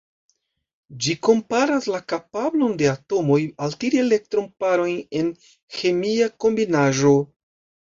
Ĝi komparas la kapablon de atomoj altiri elektron-parojn en ĥemia kombinaĵo.